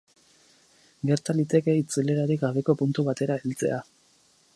Gerta liteke itzulerarik gabeko puntu batera heltzea.